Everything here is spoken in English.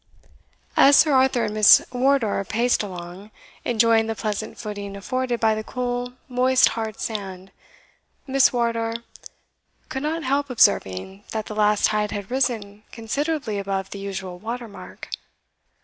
As Sir Arthur and Miss Wardour paced along, enjoying the pleasant footing afforded by the cool moist hard sand, Miss Wardour could not help observing that the last tide had risen considerably above the usual water mark.